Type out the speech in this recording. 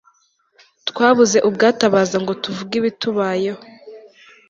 twabuze ubwatabaza ngo tuvuge ibitubayeho